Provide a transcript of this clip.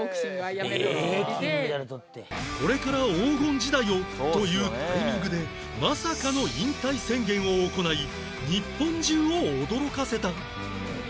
これから黄金時代をというタイミングでまさかの引退宣言を行い日本中を驚かせた